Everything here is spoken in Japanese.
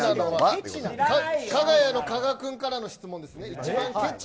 かが屋の加賀君からの質問です。